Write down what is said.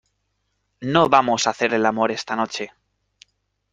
no vamos a hacer el amor esta noche.